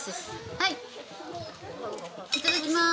はいいただきます。